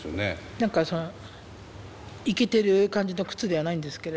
何かそのイケてる感じの靴ではないんですけれど。